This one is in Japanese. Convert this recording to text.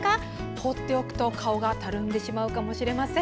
放っておくと、顔がたるんでしまうかもしれません。